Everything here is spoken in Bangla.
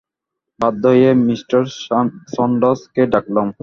বাধ্য হয়ে মিঃ সনডার্স কে ডাকলাম।